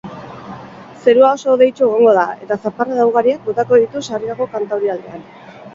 Zerua oso hodeitsu egongo da eta zaparrada ugariak botako ditu, sarriago kantaurialdean.